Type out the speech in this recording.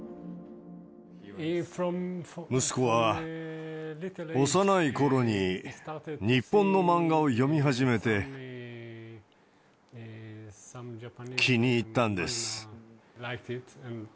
息子は幼いころに日本の漫画を読み始めて、気に入ったんです。